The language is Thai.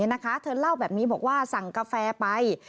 เธอเล่าแบบนี้บอกว่าสั่งกาแฟไป